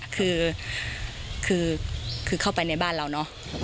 คือเข้าไปในบ้านเราเนอะ